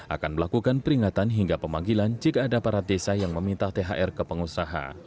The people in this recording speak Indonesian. akan melakukan peringatan hingga pemanggilan jika ada para desa yang meminta thr ke pengusaha